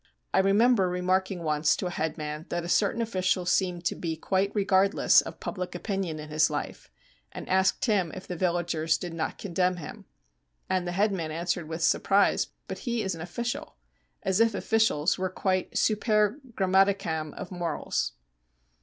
I remember remarking once to a headman that a certain official seemed to be quite regardless of public opinion in his life, and asked him if the villagers did not condemn him. And the headman answered with surprise: 'But he is an official;' as if officials were quite super grammaticam of morals.